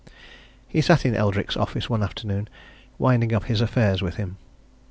He sat in Eldrick's office one afternoon, winding up his affairs with him.